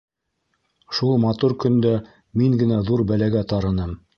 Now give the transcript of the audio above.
Шул матур көндә мин генә ҙур бәләгә тарыным.